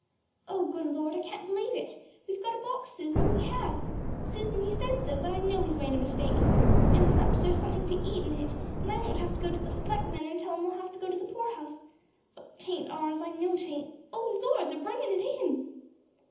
"Oh, good Lord, I can't believe it. We've got a box, Susan; we have, Susan, he says so, but I know he's made a mistake. And p'raps there's somethin' to eat in it, and I won't have to go to the selectmen an' tell 'em we'll go to the poorhouse. But 'tain't ours, I know 'tain't. _O Lord, they're bringin' it in!